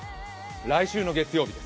来週の月曜日。